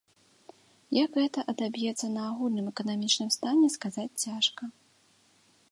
Як гэта адаб'ецца на агульным эканамічным стане, сказаць цяжка.